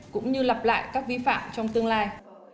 cũng như lặp lại các vi phạm trong tương lai